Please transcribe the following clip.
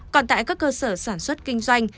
còn tại các cơ sở sản xuất kinh doanh